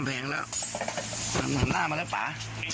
ป่าป่า